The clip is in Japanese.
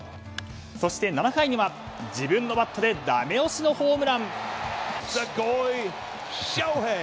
そして７回には、自分のバットでダメ押しのホームラン！